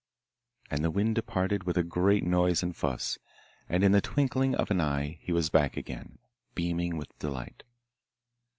And the Wind departed with a great noise and fuss, and in the twinkling of an eye he was back again, beaming with delight.